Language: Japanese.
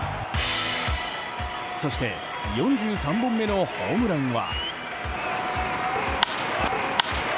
そして４３本目のホームランは。